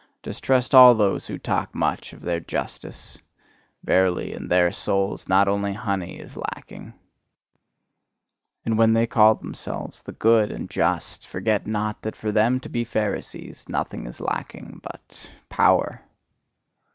Distrust all those who talk much of their justice! Verily, in their souls not only honey is lacking. And when they call themselves "the good and just," forget not, that for them to be Pharisees, nothing is lacking but power!